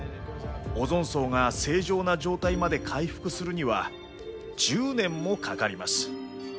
オゾン層が正常な状態まで回復するには１０年もかかります。